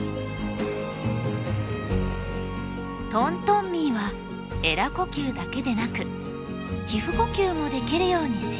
トントンミーはえら呼吸だけでなく皮膚呼吸もできるように進化。